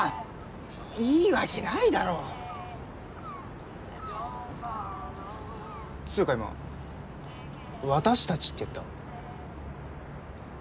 いいわけないだろつうか今「私達」って言った？